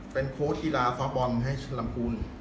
เป็นโค้ดกีฬาซอฟต์บอนต์ให้ลำคูณ